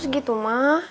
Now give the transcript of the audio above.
kurang atus gitu mah